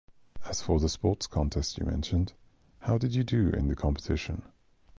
As for the sports contest you mentioned, how did you do in the competition?